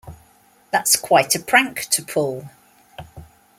That's quite a prank to pull.